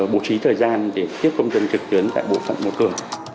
bố trí thời gian để tiếp công dân trực tuyến tại bộ phận một cửa